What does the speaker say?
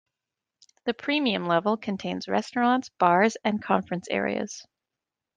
The premium level contains restaurants, bars and conference areas.